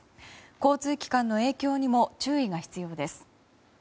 交通機関の影響にも注意が必要です。